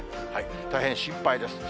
大変心配です。